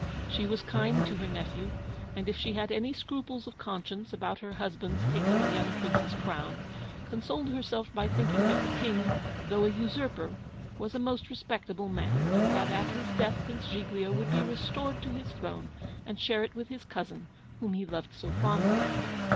She was kind to her nephew; and if she had any scruples of conscience about her husband's taking the young Prince's crown, consoled herself by thinking that the King, though a usurper, was a most respectable man, and that at his death Prince Giglio would be restored to his throne, and share it with his cousin, whom he loved so fondly.